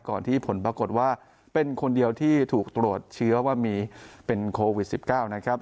ที่ผลปรากฏว่าเป็นคนเดียวที่ถูกตรวจเชื้อว่ามีเป็นโควิด๑๙นะครับ